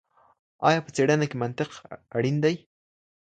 ایا په څېړنه کي منطق اړین دئ؟